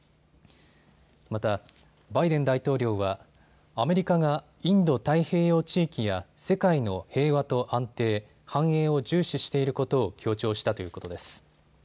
また、バイデン大統領はアメリカがインド太平洋地域や世界の平和と安定、繁栄を重視していることを強調したということです。